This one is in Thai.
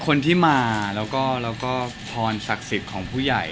คนที่มาแล้วก็พรศักดิ์สิทธิ์ของผู้ใหญ่